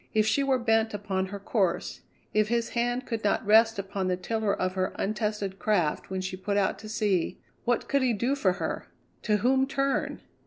If she were bent upon her course, if his hand could not rest upon the tiller of her untested craft when she put out to sea, what could he do for her? To whom turn?